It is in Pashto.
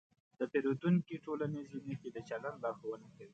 د پیریدونکي ټولنیزې نښې د چلند لارښوونه کوي.